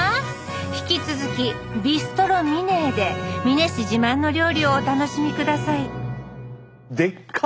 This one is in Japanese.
引き続き「ビストロ・ミネ」で美祢市自慢の料理をお楽しみ下さいでっか！